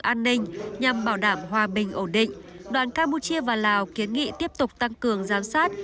an ninh nhằm bảo đảm hòa bình ổn định đoàn campuchia và lào kiến nghị tiếp tục tăng cường giám sát